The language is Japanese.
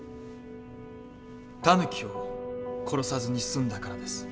タヌキを殺さずに済んだからです。